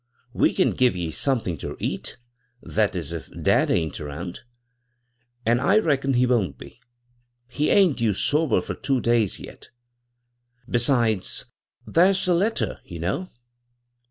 We can give ye somethin' ter eat — that is, if dad ain't 'round ; an' I reckon he won't be ; he ain't due sober fur two days yet. Besides, thar's the letter, ye know."